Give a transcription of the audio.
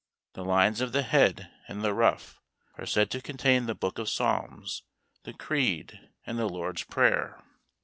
The lines of the head, and the ruff, are said to contain the book of Psalms, the Creed, and the Lord's Prayer.